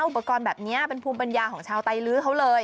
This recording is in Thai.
องค์ประกอบนี้เป็นภูมิปัญญาของชาวไตลื้อ